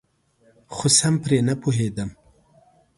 خو سم پرې نپوهیدم.